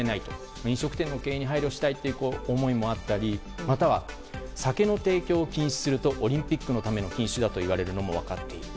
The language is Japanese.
飲食店の経営に配慮したいという思いもあったり酒の提供を禁止するとオリンピックのための禁止だといわれるのも分かっている。